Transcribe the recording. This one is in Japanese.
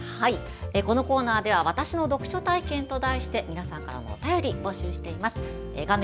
このコーナーでは「わたしの読書体験」と題して皆さんからのお便りを募集しています。